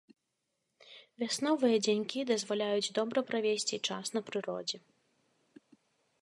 Вясновыя дзянькі дазваляюць добра правесці час на прыродзе.